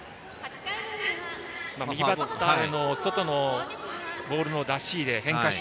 右バッターへの外のボールの出し入れ、変化球。